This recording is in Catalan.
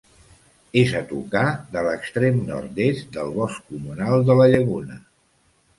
És a tocar de l'extrem nord-est del Bosc Comunal de la Llaguna.